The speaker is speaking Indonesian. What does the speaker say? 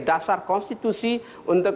dasar konstitusi untuk